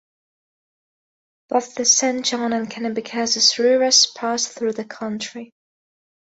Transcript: Both the Saint John and Kennebecasis rivers pass through the county.